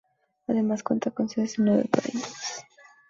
Además cuenta con sedes en nueve ciudades del país.